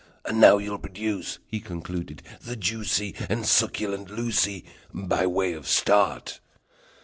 "And now you'll produce," he Concluded, "the juicy And succulent Lucie By way of start!"